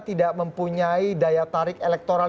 tidak mempunyai daya tarik elektoral